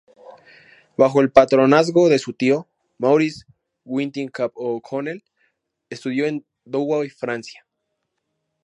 Bajo el patronazgo de su tío, Maurice Hunting Cap O'Connell, estudió en Douai, Francia.